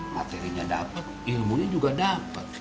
materinya dapat ilmunya juga dapat